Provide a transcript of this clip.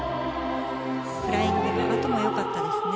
フライングのあともよかったですね。